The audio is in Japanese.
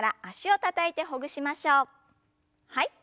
はい。